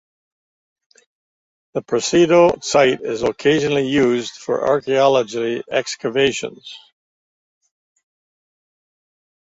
The Presidio site is occasionally used for archaeological excavations.